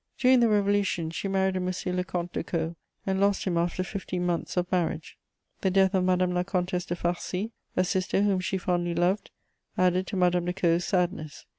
During the Revolution she married M. le Comte de Caud, and lost him after fifteen months of marriage. The death of Madame la Comtesse de Farcy, a sister whom she fondly loved, added to Madame de Caud's sadness.